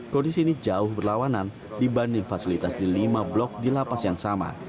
kondisi ini jauh berlawanan dibanding fasilitas di lima blok di lapas yang sama